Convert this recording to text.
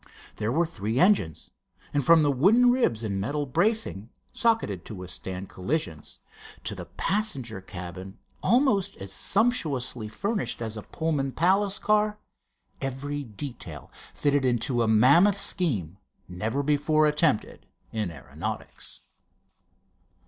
There were three engines, and from the wooden ribs and metal bracing, socketed to withstand collisions, to the passenger cabin almost as sumptuously furnished as a Pullman palace car, every detail fitted into a mammoth scheme never before attempted in aeronautics.